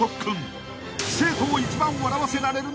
［生徒を一番笑わせられるのは誰だ］